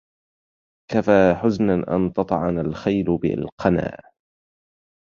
كفى حزنا أن تطعن الخيل بالقنا